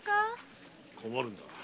困るんだ